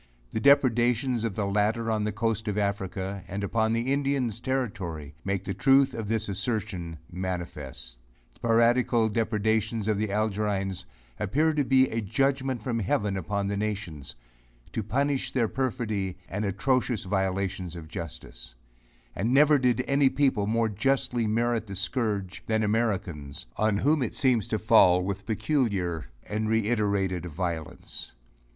The depredations of the latter on the coast of Africa, and upon the Indians' Territory make the truth of this assertion manifest. The piratical depredations of the Algerines appear to be a judgment from heaven upon the nations, to punish their perfidy and atrocious violations of justice; and never did any people more justly merit the scourge than Americans, on whom it seems to fall with peculiar and reiterated violence.